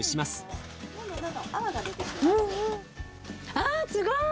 あっすごい！